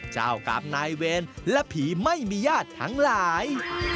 เจ้ากับนายเวรและผีไม่มีญาติทั้งหลาย